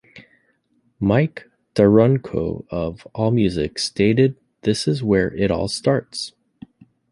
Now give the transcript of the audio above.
Mike DaRonco of Allmusic stated This is where it all starts.